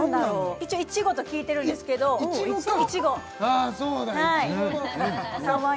一応いちごと聞いてるんですけどいちごかああ